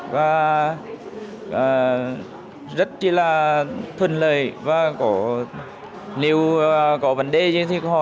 và rất là thuận lợi và nếu có vấn đề thì họ giải quyết cũng nhanh gọn